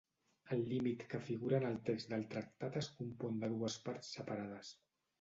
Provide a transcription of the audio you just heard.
El límit que figura en el text del tractat es compon de dues parts separades.